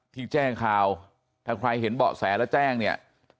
ที่แจ้งข่าวถ้าใครเห็นเบาะแสแล้วแจ้งเนี่ย